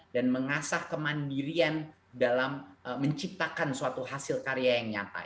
dan mengasah kemandirian dalam menciptakan suatu hasil karya yang nyata